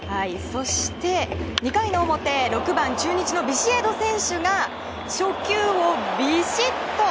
そして、２回の表６番、中日のビシエド選手が初球をビシッと。